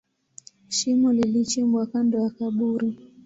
Shimo lilichimbwa kando ya kaburi.